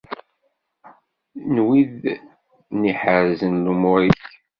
N wid i iḥerrzen lumuṛ-ik.